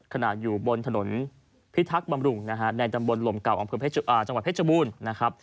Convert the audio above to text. ขนาดอยู่บนถนนพิทักษ์บำรุงในจำบนลมเก่าจังหวัดเพชรบูรณ์